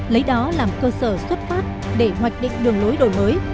lấy đó làm cơ sở xuất phát để hoạch định đường lối đổi mới